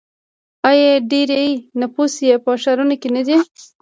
آیا ډیری نفوس یې په ښارونو کې نه دی؟